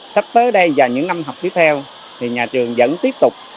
sắp tới đây và những năm học tiếp theo thì nhà trường vẫn tiếp tục